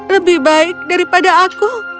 lebih baik daripada aku